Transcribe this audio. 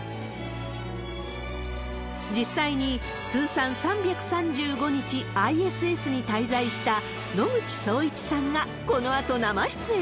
実際に通算３３５日ＩＳＳに滞在した野口聡一さんが、このあと生出演。